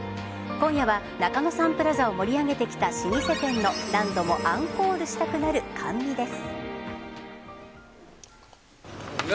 今夜は中野サンプラザを盛り上げてきた老舗店の何度もアンコールしたくなる甘味です。